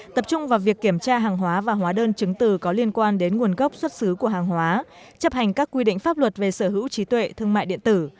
tập trung vào việc kiểm tra hàng hóa và hóa đơn chứng từ có liên quan đến nguồn gốc xuất xứ của hàng hóa chấp hành các quy định pháp luật về sở hữu trí tuệ thương mại điện tử